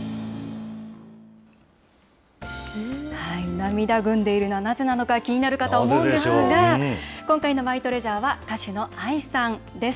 涙ぐんでいるのはなぜなのか、気になるかと思うんですが、今回のマイトレジャーは歌手のＡＩさんです。